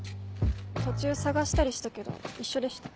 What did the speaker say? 途中捜したりしたけど一緒でした。